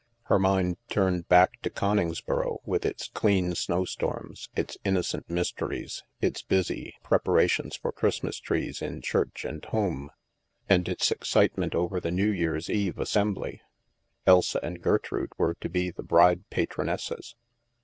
Her mind turned back to Coningsboro, with its clean snowstorms, its innocent mysteries, its busy preparations for Christmas trees in church and home, and its excitement over the New Year's Eve ''Assembly.'' Elsa and Gertrude were to be the " bride patronesses."